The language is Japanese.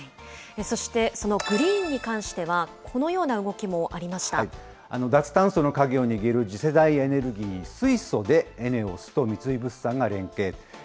そして、そのグリーンに関しては、このような動きもありまし脱炭素の鍵を握る次世代エネルギー、水素でＥＮＥＯＳと三井物産が連携。